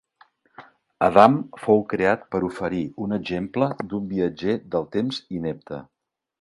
Adam fou creat per a oferir un exemple d'un viatger del temps inepte.